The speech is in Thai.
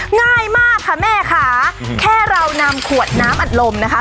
ง่ายมากค่ะแม่ค่ะแค่เรานำขวดน้ำอัดลมนะคะ